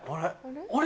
あれ？